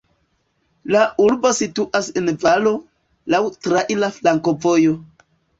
La urbo situas en valo, laŭ traira flankovojo.